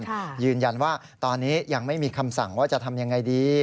ไม่ใช่แบบยืนยันว่าตอนนี้ยังไม่มีคำสั่งว่าจะทำอย่างไรดี